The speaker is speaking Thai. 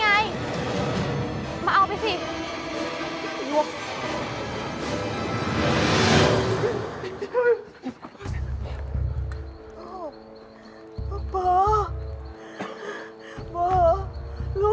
เราไม่สามารถติดต่อกับน้องทางฟัง